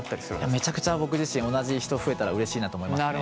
めちゃくちゃ僕自身同じ人増えたらうれしいなと思いますね。